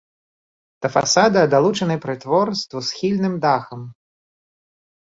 Да фасада далучаны прытвор з двухсхільным дахам.